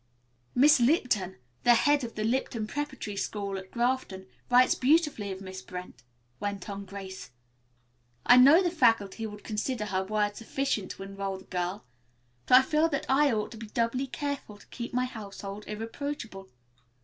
"Miss Lipton, the head of the Lipton Preparatory School, at Grafton, writes beautifully of Miss Brent," went on Grace. "I know the faculty would consider her word sufficient to enroll this girl, but I feel that I ought to be doubly careful to keep my household irreproachable.